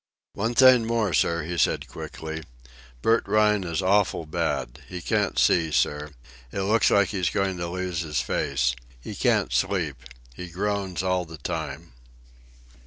"One thing more, sir," he said quickly. "Bert Rhine is awful bad. He can't see, sir. It looks like he's going to lose his face. He can't sleep. He groans all the time."